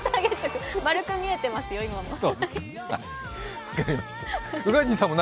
丸く見えてますよ、今も。